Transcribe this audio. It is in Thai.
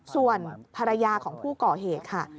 ส่วนภรรยาของผู้ก่อเหตุค่ะ